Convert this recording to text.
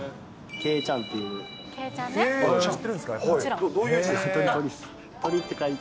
けいちゃん、鶏って書いて。